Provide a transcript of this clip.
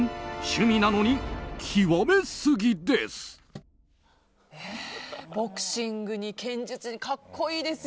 趣味なのに極めすぎです！